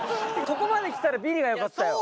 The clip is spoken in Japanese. ここまで来たらビリがよかったよ。